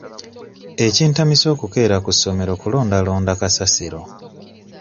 Ekintamisa okukeera ku ssomero kulondalonda kasasiro.